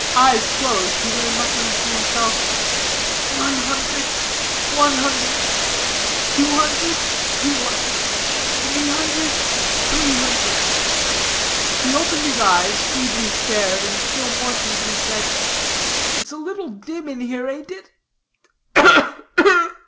Eyes closed, he lay muttering to himself "One hundred, one hundred two hundred, two hundred three hundred, three hundred." He opened his eyes, feebly stared, and still more feebly said "It's a little dim here, ain't it?